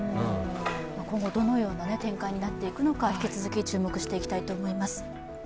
今後どのような展開になっていくのか引き続き注目していきたいと思います。